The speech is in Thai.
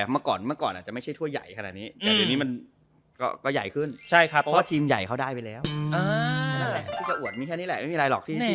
มันนักกี่ม้านี่อ่ะมีแต่ม้า